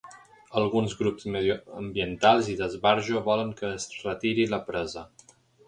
Alguns grups mediambientals i d'esbarjo volen que es retiri la presa.